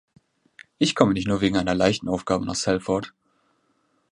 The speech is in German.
Ich komme nicht nur wegen einer leichten Aufgabe nach Salford.